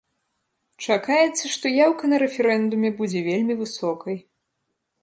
Чакаецца, што яўка на рэферэндуме будзе вельмі высокай.